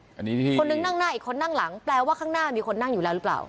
อันนี้คนนึงนั่งหน้าอีกคนนั่งหลังแปลว่าข้างหน้ามีคนนั่งอยู่แล้วหรือเปล่า